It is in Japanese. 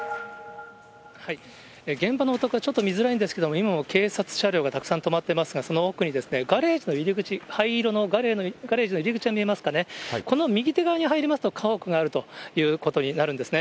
現場のお宅は、ちょっと見づらいんですけれども、今も警察車両がたくさん止まってますが、その奥にガレージの入り口、灰色のガレージの入り口が見えますかね、この右手側に入りますと、家屋があるということになるんですね。